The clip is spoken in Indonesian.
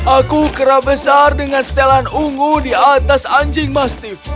aku kerap besar dengan setelan ungu di atas anjing mastif